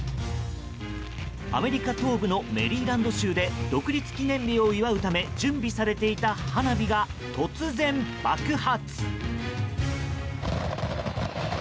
アメリカ東部のメリーランド州で独立記念日を祝うため準備されていた花火が突然爆発。